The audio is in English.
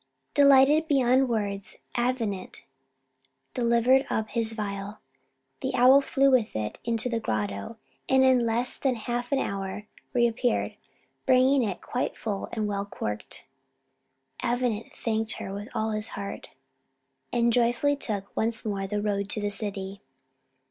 Delighted beyond words, Avenant delivered up his phial; the owl flew with it into the grotto, and in less than half an hour reappeared, bringing it quite full and well corked. Avenant thanked her with all his heart, and joyfully took once more the road to the city.